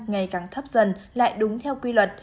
ngày càng thấp dần lại đúng theo quy luật